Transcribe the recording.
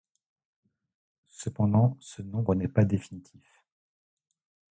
Cependant, ce nombre n'est pas définitif.